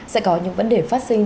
sẽ có những vấn đề phát sinh